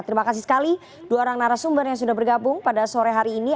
terima kasih sekali dua orang narasumber yang sudah bergabung pada sore hari ini